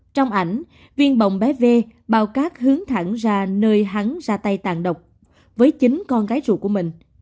trong ảnh viên bồng bé v bao cát hướng thẳng ra nơi hắn ra tay tàn độc với chính con gái ruột của mình